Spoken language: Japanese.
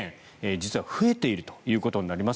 実は増えているということになります。